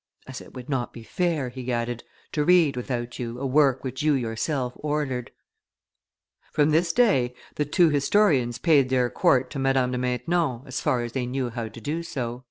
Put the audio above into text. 'As it would not be fair,' he added, 'to read without you a work which you yourself ordered.' From this day, the two historians paid their court to Madame de Maintenon as far as they knew how to do so."